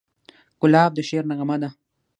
ګلاب د شعر نغمه ده.